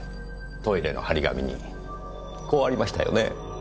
トイレの張り紙にこうありましたよね。